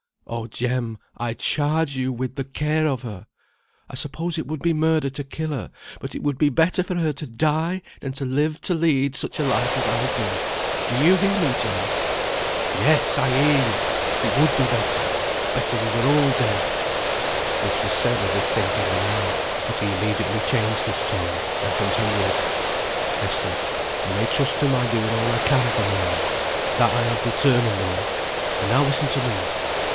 "Oh! Jem, I charge you with the care of her! I suppose it would be murder to kill her, but it would be better for her to die than to live to lead such a life as I do. Do you hear me, Jem?" "Yes! I hear you. It would be better. Better we were all dead." This was said as if thinking aloud; but he immediately changed his tone, and continued, "Esther, you may trust to my doing all I can for Mary. That I have determined on. And now listen to me!